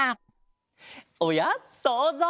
おやそうぞう。